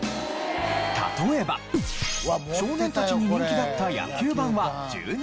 例えば少年たちに人気だった野球盤は１２冊。